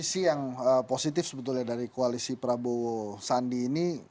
ada satu sisi yang positif sebetulnya dari koalisi prabowo sandi ini